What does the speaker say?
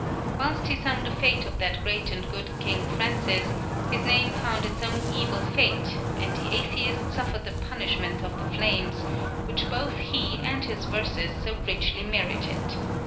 Whilst he sung the fate of that great and good King Francis, his name found its own evil fate, and the Atheist suffered the punishment of the flames, which both he and his verses so richly merited.